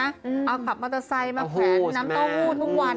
เอาขับมอเตอร์ไซค์มาแขวนน้ำเต้าหู้ทุกวัน